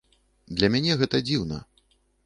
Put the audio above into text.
Для мяне гэта дзіўна.